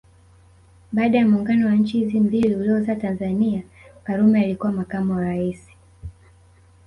Baada ya muungano wa nchi hizi mbili uliozaa Tanzania Karume alikuwa makamu wa rais